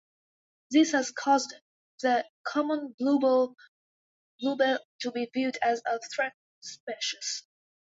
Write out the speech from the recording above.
This has caused the common bluebell to be viewed as a threatened species.